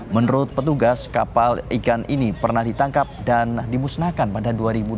menurut petugas kapal ikan ini pernah ditangkap dan dimusnahkan pada dua ribu dua belas